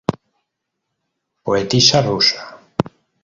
Poetisa rusa.